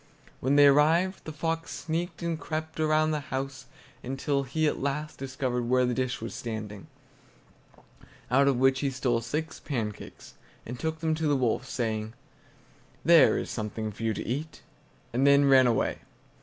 When they arrived, the fox sneaked and crept around round the house, until he at last discovered where the dish was standing, out of which he stole six pancakes, and took them to the wolf, saying, "There is something for you to eat!" and then ran away.